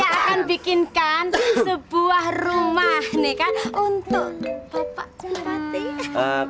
saya akan bikinkan sebuah rumah nih kan untuk bapak bupati